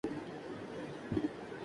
وہ شہر ہے